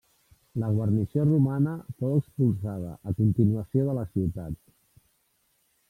La guarnició romana fou expulsada a continuació de la ciutat.